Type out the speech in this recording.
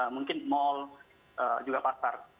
mungkin mal juga pasar